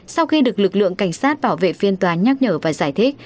sau khi được lực lượng cảnh sát bảo vệ phiên tòa nhắc nhở và giải thích